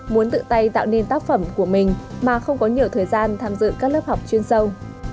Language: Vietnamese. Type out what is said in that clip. muốn tự tay tạo nên tác phẩm của mình mà không có nhiều thời gian tham dự các lớp học chuyên sâu